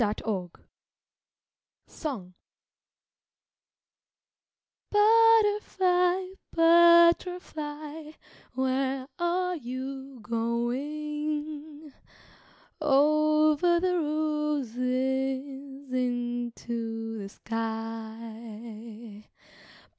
BUTTERFLY Song Butterfly, butterfly, where are you going? "Over the roses into the sky."